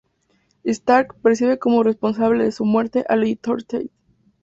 Stark percibe como responsable de su "muerte" al editor de Thad.